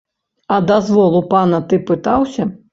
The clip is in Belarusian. А дазвол у пана ты пытаўся?